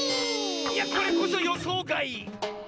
いやこれこそよそうがい！